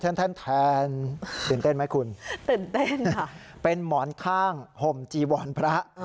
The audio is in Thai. แทนตื่นเต้นไหมคุณตื่นเต้นเป็นหมอนข้างห่มจีวรพระ